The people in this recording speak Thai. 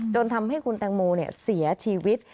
จนทำให้คุณแตงโมเสียชีวิต